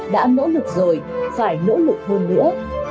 đã nỗ lực rồi phải nỗ lực hơn nữa